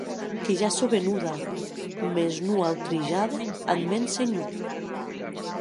Que ja sò venuda, mès non autrejada ath mèn senhor.